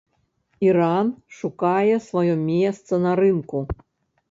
Іран шукае сваё месца на рынку.